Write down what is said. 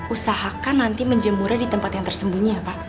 usahakan nanti menjemurah di tempat yang tersembunyi pak